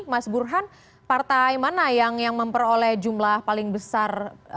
mas burhan partai mana yang memperoleh jumlah paling besar